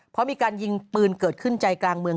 เพราะมีการยิงปืนเกิดขึ้นใจกลางเมือง